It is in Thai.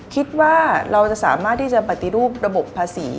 คิดว่าเราจะสามารถที่จะปฏิรูประบบภาษี